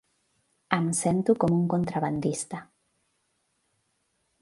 Em sento com un contrabandista.